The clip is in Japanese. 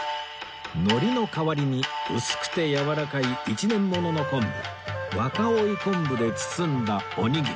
海苔の代わりに薄くてやわらかい１年ものの昆布若生昆布で包んだおにぎり